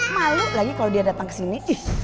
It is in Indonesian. malu lagi kalau dia datang kesini